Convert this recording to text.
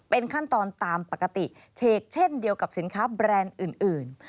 เป็นขั้นตอนตามปกติเฉกเช่นเดียวกับสินค้าแบรนด์อื่น